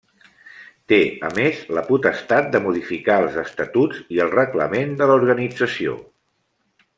Té a més la potestat de modificar els estatuts i el reglament de l'organització.